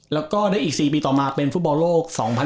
แล้วก็ได้อีก๔ปีต่อมาเป็นฟุตบอลโลก